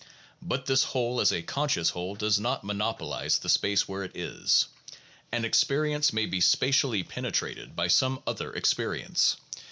But this whole as a conscious whole does not monopolize the space where it is. An experience may be spatially penetrated by some other experi ence.